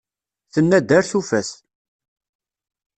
Tenna-d ar tufat.